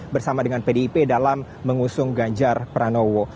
bersama dengan pdip dalam mengusung ganjar pranowo